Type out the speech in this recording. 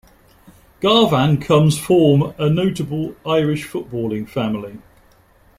Garvan comes form a notable Irish footballing family.